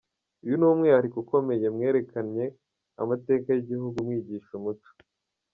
Uyu ni umwihariko ukomeye, mwerekanye amateka y’igihugu, mwigisha umuco.